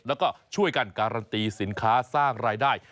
แล้วก็ช่วยกันการันตีสินค้าสร้างรายได้